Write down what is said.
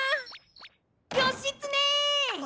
義経！